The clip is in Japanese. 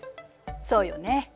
そうよね。